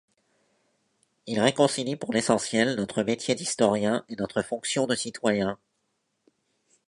Il réconcilie pour l'essentiel notre métier d'historien et notre fonction de citoyen.